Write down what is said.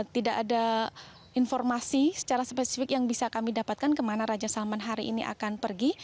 tidak ada informasi secara spesifik yang bisa kami dapatkan kemana raja salman hari ini akan pergi